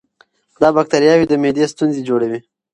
دا بکتریاوې د معدې ستونزې جوړوي.